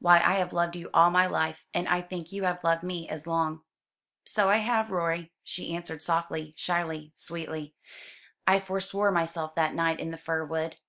Why I have loved you all my life; and I think you have loved me as long." "So I have, Rorie," she answered softly, shyly, sweetly. "I forswore myself that night in the fir wood.